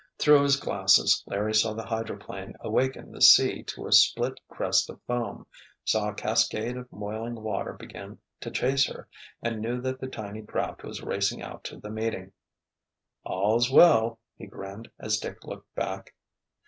Through his glasses Larry saw the hydroplane awaken the sea to a split crest of foam, saw a cascade of moiling water begin to chase her, and knew that the tiny craft was racing out to the meeting. "All's well!" he grinned as Dick looked back.